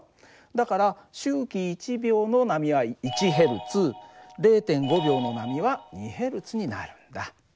だから周期１秒の波は１Ｈｚ０．５秒の波は２Ｈｚになるんだ。